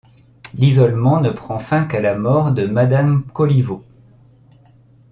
L'isolement ne prend fin qu'à la mort de Madame Colivaut.